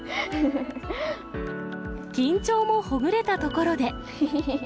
緊張もほぐれたところで。